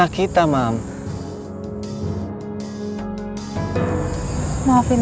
aku pikir tadi kamu terlalu keras